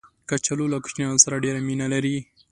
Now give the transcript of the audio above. کچالو له کوچنیانو سره ډېر مینه لري